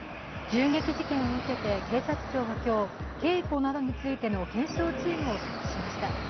銃撃事件を受けて警察庁は今日、警護などについての検証チームを設置しました。